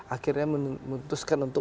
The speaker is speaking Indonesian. akhirnya memutuskan untuk